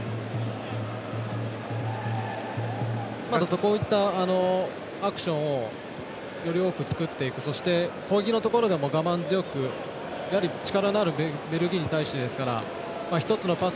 こういったアクションをより多く作っていくそして、攻撃のところでも我慢強く力のあるベルギーに対してですから一つのパス